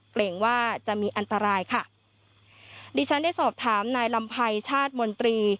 เกรงว่าจะมีอันตรายค่ะดิฉันได้สอบถามนายลำไพรชาติมนตรี